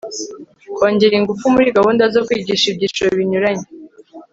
kongera ingufu muri gahunda zo kwigisha ibyiciro binyuranye